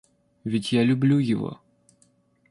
Ведь я люблю его.